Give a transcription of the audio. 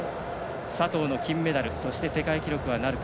佐藤の金メダルそして世界記録はなるか。